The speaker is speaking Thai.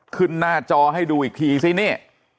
ขึ้นหน้าจอให้ดูอีกทีซิเนี่ย